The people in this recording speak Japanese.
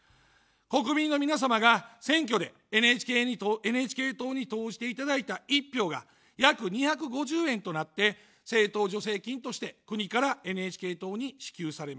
国民の皆様が選挙でＮＨＫ党に投じていただいた１票が約２５０円となって政党助成金として国からＮＨＫ党に支給されます。